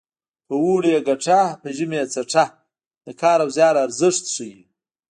په اوړي یې ګټه په ژمي یې څټه د کار او زیار ارزښت ښيي